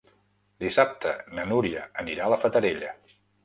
Dissabte na Núria anirà a la Fatarella.